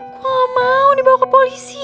gua gak mau dibawa ke polisi